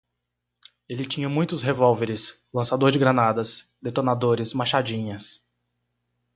Ele tinha muitos revólveres, lançador de granadas, detonadores, machadinhas